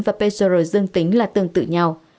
và pcr dương tính là tương tự nhau